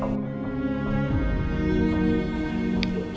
adalah hasil dari perbuatan yang dia sendiri ma